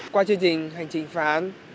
qua chương trình hành trình phá án